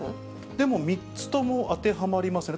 でも、３つとも当てはまりますね。